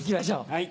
はい。